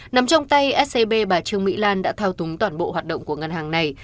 nằm trong tay scb bà trương mỹ lan đã thao túng toàn bộ hoạt động của ngân hàng này